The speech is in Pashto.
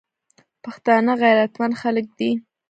پښتانه غیرتمن خلک دي.